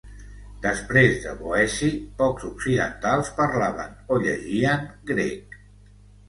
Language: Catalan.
Després de Boeci, pocs occidentals parlaven o llegien grec.